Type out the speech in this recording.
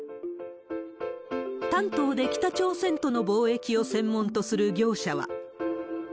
丹東で北朝鮮との貿易を専門とする業者は。